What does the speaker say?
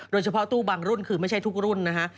โดยเฉพาะตู้บางรุ่นคือไม่ใช่ทุกรุ่นนะฮะ